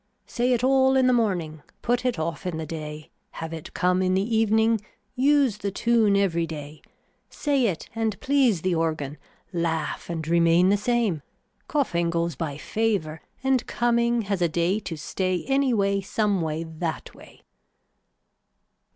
Say it all in the morning, put it off in the day, have it come in the evening, use the tune every day, say it and please the organ, laugh and remain the same, coughing goes by favor, and coming has a day to stay any way some way that way.